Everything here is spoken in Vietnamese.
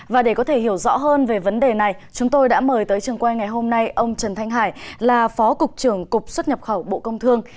và để có thể hiểu rõ hơn về vấn đề này chúng tôi đã mời tới trường quay ngày hôm nay ông trần thanh hải là phó cục trưởng cục xuất nhập khẩu bộ công thương